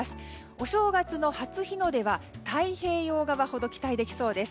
お正月の初日の出は太平洋側ほど期待できそうです。